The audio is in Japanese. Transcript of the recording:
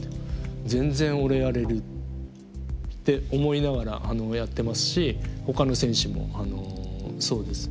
全然俺やれる」って思いながらやってますしほかの選手もそうです。